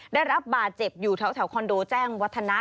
ได้รับบาดเจ็บอยู่แถวคอนโดแจ้งวัฒนะ